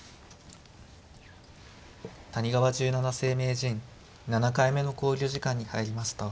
谷川十七世名人７回目の考慮時間に入りました。